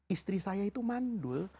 istri saya itu mandul